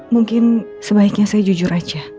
mungkin sebaiknya saya jujur saja